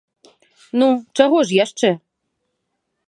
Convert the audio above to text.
Ну, чаго ж яшчэ?